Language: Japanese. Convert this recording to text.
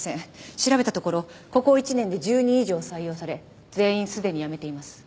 調べたところここ１年で１０人以上採用され全員すでに辞めています。